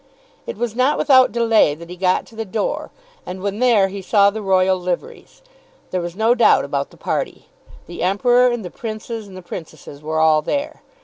It was not without delay that he got to the door, and when there he saw the royal liveries. There was no doubt about the party. The Emperor and the Princes and the Princesses were all there.